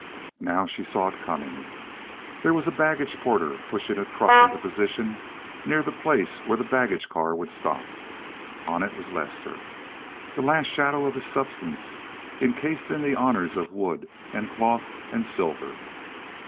Now she saw it coming. There was a baggage porter pushing a truck into position near the place where the baggage car would stop. On it was Lester, that last shadow of his substance, incased in the honors of wood, and cloth, and silver.